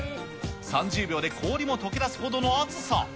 ３０秒で氷もとけだすほどの暑さ。